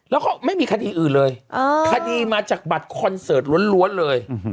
แล้วก็ไม่มีคดีอื่นเลยคดีมาจากบัตรคอนเสิร์ตล้วนเลย